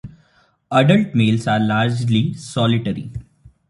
Adult males are largely solitary.